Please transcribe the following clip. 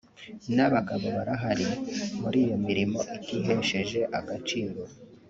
n’abagabo barahari muri iyo mirimo itihesheje agaciro